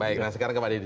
baik sekarang ke pak didi